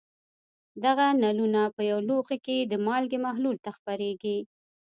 دغه نلونه په یو لوښي کې د مالګې محلول ته خپرېږي.